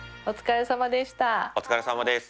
お疲れさまでした。